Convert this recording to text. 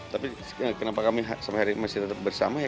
tapi kenapa kami sampai hari ini masih tetap bersama ya